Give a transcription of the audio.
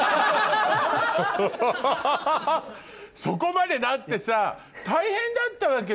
そこまでだってさ大変だったわけじゃない。